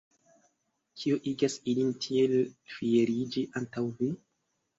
Kio igas ilin tiel fieriĝi antaŭ vi?